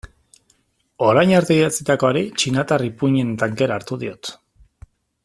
Orain arte idatzitakoari txinatar ipuin-en tankera hartu diot.